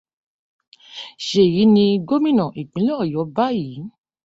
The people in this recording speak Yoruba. Ṣèyí ni Gómìnà ìpínlẹ̀ Ọ̀yọ́ báyìí.